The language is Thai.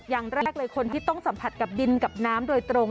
อย่างแรกเลยคนที่ต้องสัมผัสกับดินกับน้ำโดยตรง